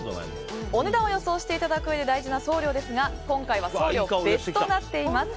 お値段を予想していただくうえで大事な送料ですが今回は送料別となっています。